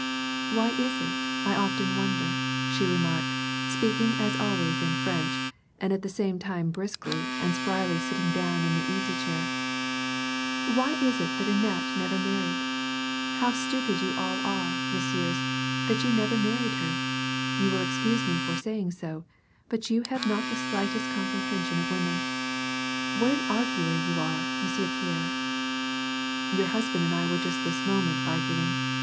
" Why is it, I often wonder," she remarked, speaking as always in French, and at the same time briskly and spryly sitting down in the easy chair, " Why is it that Annette never married. How stupid you all are, messieurs, that you never married her. You will excuse me for saying so, but you have not the slightest comprehension of women. What an arguer you are, Monsieur Pierre." " Your husband and I were just this moment arguing.